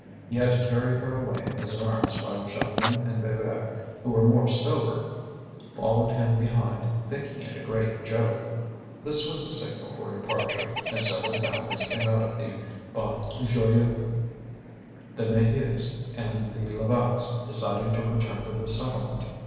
He had to carry her away in his arms while Jeanlin and Bébert, who were more sober, followed him behind, thinking it a great joke. This was the signal for departure, and several families came out of the Bon Joyeux, the Maheus and the Levaques deciding to return to the settlement.